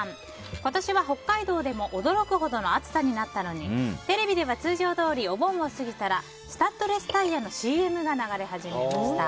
今年は北海道でも驚くほどの暑さになったのにテレビでは通常どおりお盆を過ぎたらスタッドレスタイヤのＣＭが流れ始めました。